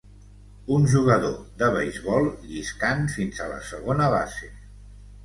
Un jugador de beisbol lliscant fins a la segona base.